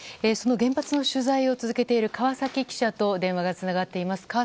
その原発の取材を続けているカワサキ記者と電話がつながっています。